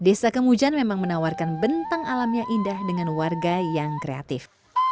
desa kemujan memang menawarkan bentang alamnya indah dengan warga yang kreatif